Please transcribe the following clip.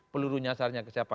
peluru nyasarnya siapa